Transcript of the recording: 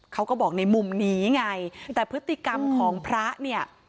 เขาก็บอกในมุมนี้ไงแต่พฤติกรรมของพระเนี่ย